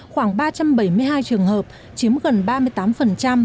khoảng ba trăm bảy mươi hai trường hợp chiếm gần ba mươi tám